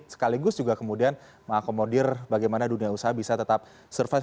sekaligus juga kemudian mengakomodir bagaimana dunia usaha bisa tetap survive